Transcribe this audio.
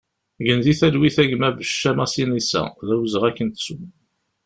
Gen di talwit a gma Becca Masinisa, d awezɣi ad k-nettu!